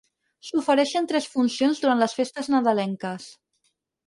S'ofereixen tres funcions durant les festes nadalenques.